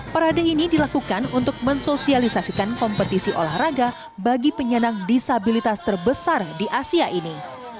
parade ini dilakukan untuk mensosialisasikan kompetisi olahraga bagi penyandang disabilitas terbesar di asia ini